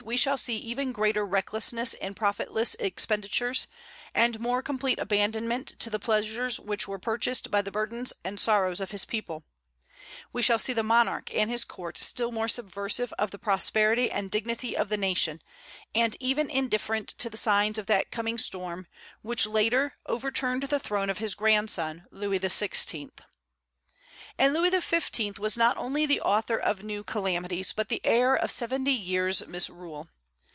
we shall see even greater recklessness in profitless expenditures, and more complete abandonment to the pleasures which were purchased by the burdens and sorrows of his people; we shall see the monarch and his court still more subversive of the prosperity and dignity of the nation, and even indifferent to the signs of that coming storm which, later, overturned the throne of his grandson, Louis XVI. And Louis XV. was not only the author of new calamities, but the heir of seventy years' misrule.